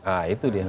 ah itu dia